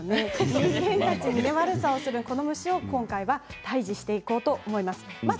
人間たちに悪さをするこの虫たちを退治していこうと思います。